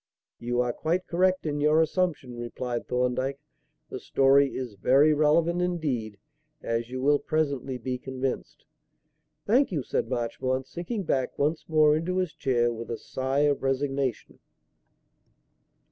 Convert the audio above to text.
"You are quite correct in your assumption," replied Thorndyke. "The story is very relevant indeed, as you will presently be convinced." "Thank you," said Marchmont, sinking back once more into his chair with a sigh of resignation.